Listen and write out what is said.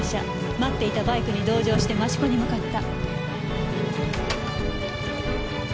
待っていたバイクに同乗して益子に向かった。